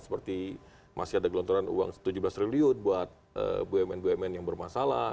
seperti masih ada gelontoran uang tujuh belas triliun buat bumn bumn yang bermasalah